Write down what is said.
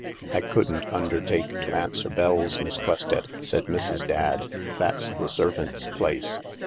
" I couldn't undertake to answer bells, Miss Quested," said Mrs. Dadd ; "that's the servants' place."